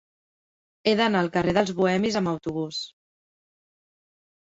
He d'anar al carrer dels Bohemis amb autobús.